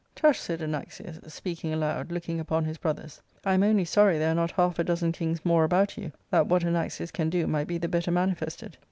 " Tush T* said Anaxius, speaking aloud, looking upon his brothers, *' I am only sorry there are not half a dozen kings more about you, that what Anaxius can do might be the better manifested."